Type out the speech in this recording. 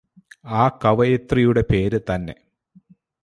ആ കവയത്രിയുടെ പേര് തന്നെ